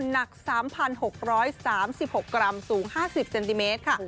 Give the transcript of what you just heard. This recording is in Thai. หนัก๓๖๓๖กรัมสูง๕๐เซนติเมตรค่ะ